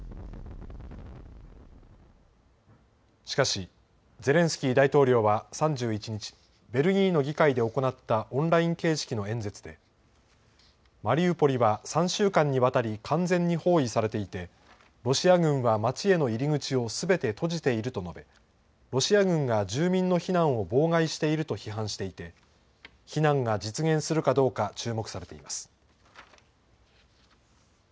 しかし、ゼレンスキー大統領は３１日、ベルギーの議会で行ったオンライン形式の演説で、マリウポリは３週間にわたり、完全に包囲されていて、ロシア軍は街への入り口をすべて閉じていると述べ、ロシア軍が住民の避難を妨害していると批判していて、避難が実現するかどうか注目されています。